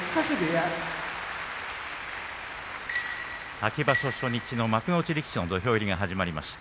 秋場所初日の幕内力士の土俵入りが始まりました。